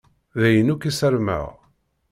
D ayen akk i ssarmeɣ.